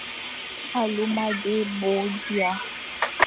Aluma dé bo dia,